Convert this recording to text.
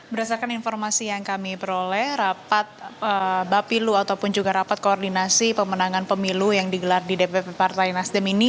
berdasarkan informasi yang kami peroleh rapat bapilu ataupun juga rapat koordinasi pemenangan pemilu yang digelar di dpp partai nasdem ini